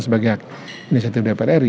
sebagai inisiatif dpr ri